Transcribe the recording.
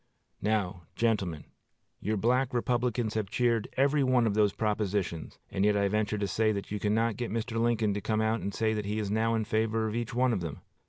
Now, gentlemen, your Black Republicans have cheered every one of those propositions, and yet I venture to say that you cannot get Mr. Lincoln to come out and say that he is now in favor of each one of them.